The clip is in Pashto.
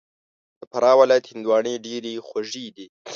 د فراه ولایت هندواڼې ډېري خوږي دي